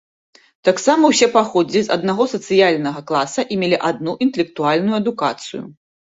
Таксама ўсе паходзілі з аднаго сацыяльнага класа і мелі адну інтэлектуальную адукацыю.